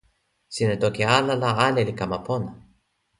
sina toki ala la ale li kama pona.